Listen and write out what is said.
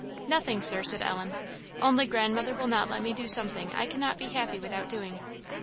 "Nothing Sir," said Ellen, "only grandmother will not let me do something I cannot be happy without doing."